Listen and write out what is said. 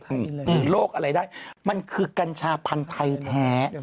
หรือโรคอะไรได้มันคือกัญชาพันธุ์ไทยแท้